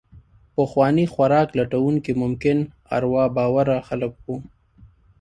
پخواني خوراک لټونکي ممکن اروا باوره خلک وو.